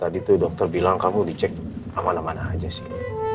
tadi lokter bilang lo di cek mana mana aja sih